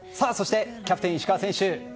そしてキャプテン石川選手